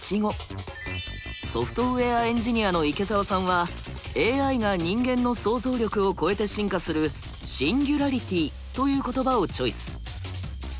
ソフトウエアエンジニアの池澤さんはＡＩが人間の想像力を超えて進化する「シンギュラリティ」という言葉をチョイス。